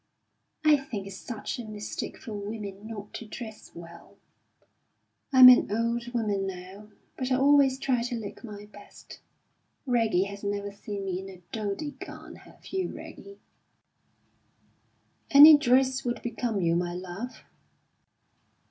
"I think it's such a mistake for women not to dress well. I'm an old woman now, but I always try to look my best. Reggie has never seen me in a dowdy gown. Have you, Reggie?" "Any dress would become you, my love."